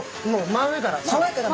真上から。